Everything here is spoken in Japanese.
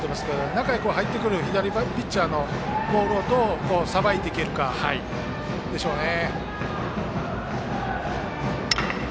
中へ入ってくる左ピッチャーのボールをどうさばいていけるかでしょうね。